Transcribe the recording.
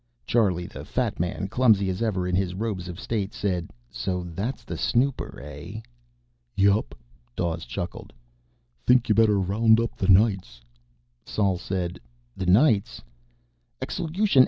Charlie, the fat man, clumsy as ever in his robes of State, said: "So that's the snooper, eh?" "Yep," Dawes chuckled. "Think you better round up the Knights." Sol said: "The Knights?" "Exelution!